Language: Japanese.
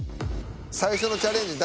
最初のチャレンジ